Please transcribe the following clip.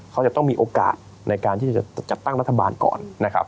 เขาจะต้องมีโอกาสในการที่จะจัดตั้งรัฐบาลก่อนนะครับ